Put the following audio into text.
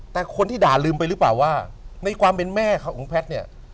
แต่คนที่ด่าลืมไปหรือเปล่าว่าในความเป็นแม่เขาของแพทย์เนี่ย